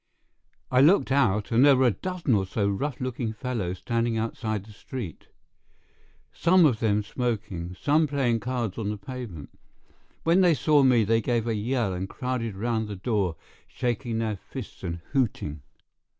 I looked out, and there were a dozen or so rough looking fellows standing outside the street, some of them smoking, some playing cards on the pavement. When they saw me they gave a yell and crowded round the door, shaking their fists and hooting.